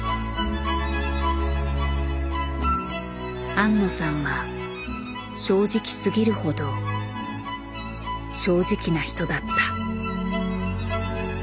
庵野さんは正直すぎるほど正直な人だった。